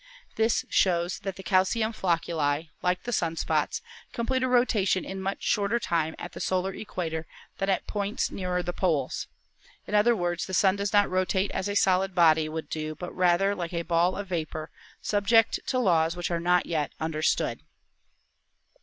This shows that the calcium flocculi, like the sun spots, complete a rotation in much shorter time at the solar equa tor than at points nearer the poles. In other words, the Sun does not rotate as a solid body would do, but rather like a ball of vapor, subject to laws which are not yet understood."